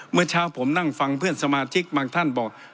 เมื่อเช้าผมนั่งฟังเพื่อนสมาชิกบางท่านบอก